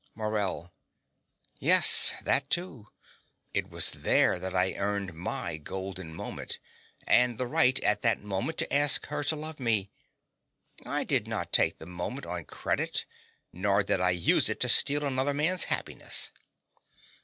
MORELL. Yes, that, too. It was there that I earned my golden moment, and the right, in that moment, to ask her to love me. I did not take the moment on credit; nor did I use it to steal another man's happiness.